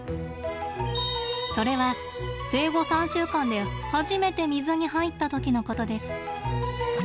それは生後３週間で初めて水に入った時のことです。